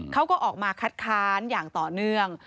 เขาก็ออกมาคัดค้านอย่างต่อเนื่อง